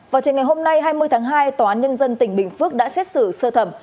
vào chiều ngày hôm nay hai mươi tháng hai tòa án nhân dân tỉnh bình phước đã xét xử sơ thẩm